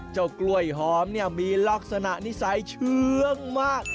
เจ้ากล้วยหอมมีลักษณะนิสัยเชื้องมาก